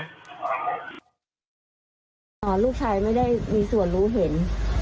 ลูกชายไม่ได้มีส่วนรู้เห็น